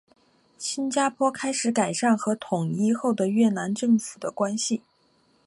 新加坡开始改善与统一后的越南政府的关系。